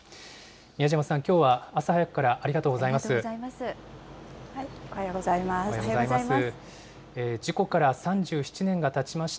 美谷島さん、きょうは朝早くからありがとうございます。